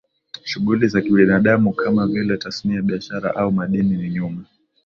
Shughuli za kibinadamu kama vile tasnia biashara au madini ni nyuma